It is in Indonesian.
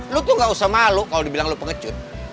lo tuh gak usah malu kalo dibilang lo pengecut